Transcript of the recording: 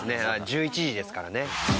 １１時ですからね。